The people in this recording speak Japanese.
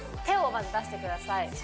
手をまず出してください